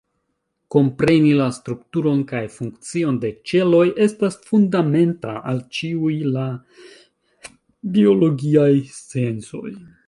Kompreni la strukturon kaj funkcion de ĉeloj estas fundamenta al ĉiuj la biologiaj sciencoj.